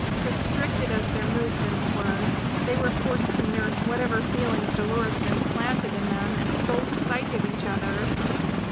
Restricted as their movements were, they were forced to nurse whatever feelings Dolores had implanted in them in full sight of each other.